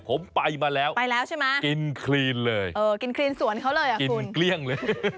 ผมไปมาแล้วไปแล้วใช่ไหมกินคลีนเลยเออกินคลีนสวนเขาเลยอ่ะกินเกลี้ยงเลย